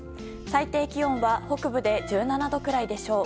最低気温は北部で１７度くらいでしょう。